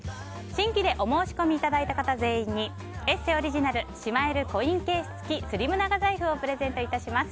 新規でお申し込みいただいた方全員に、「ＥＳＳＥ」オリジナルしまえるコインケース付きスリム長財布をプレゼントいたします。